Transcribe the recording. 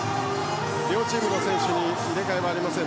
両チームの選手に入れ替えはありません。